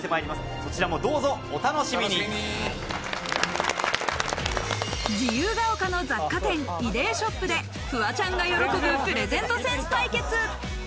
そちらもどうぞお楽しみ自由が丘の雑貨店・イデーショップでフワちゃんが喜ぶプレゼントセンス対決。